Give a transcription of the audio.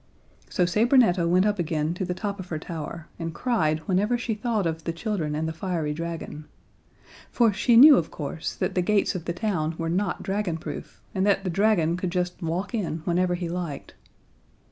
So Sabrinetta went up again to the top of her tower, and cried whenever she thought of the children and the fiery dragon. For she knew, of course, that the gates of the town were not dragonproof, and that the dragon could just walk in whenever he liked.